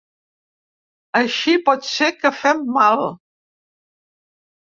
Així pot ser que fem mal.